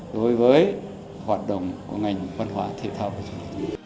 đối với hoạt động của ngành văn hóa thể thao của chúng ta